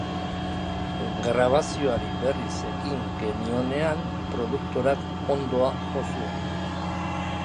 Grabazioari berriz ekin genionean produktorak hondoa jo zuen.